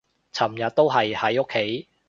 尋日都係喺屋企